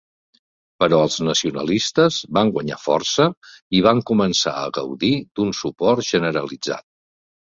Però els nacionalistes van guanyar força i van començar a gaudir d'un suport generalitzat.